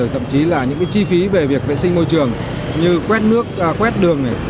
thậm chí là những chi phí về việc vệ sinh môi trường như quét đường